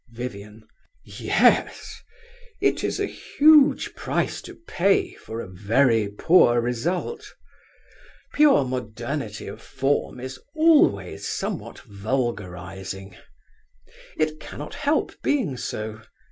VIVIAN. Yes. It is a huge price to pay for a very poor result. Pure modernity of form is always somewhat vulgarising. It cannot help being so.